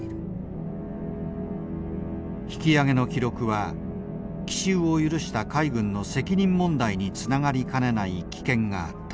引き揚げの記録は奇襲を許した海軍の責任問題につながりかねない危険があった。